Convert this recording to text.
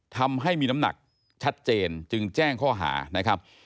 ทำให้มีน้ำหนักชัดเจนจึงแจ้งข้อหานะครับ